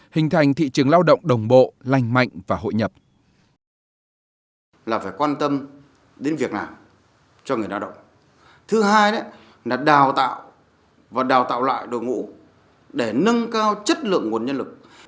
hình thành thị trường lao động đồng bộ lành mạnh và hội nhập